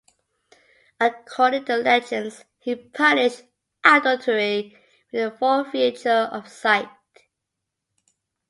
According to legends, he punished adultery with the forfeiture of sight.